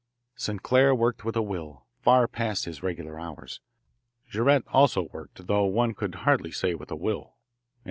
Sinclair worked with a will, far past his regular hours. Jaurette also worked, though one could hardly say with a will.